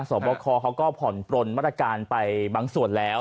สอบคอเขาก็ผ่อนปลนมาตรการไปบางส่วนแล้ว